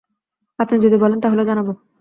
আপনি যদি বলেন তাহলে জানাব।